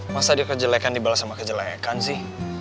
masa dia kejelekan dibalas sama kejelekan sih